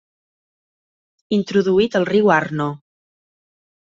Introduït al riu Arno.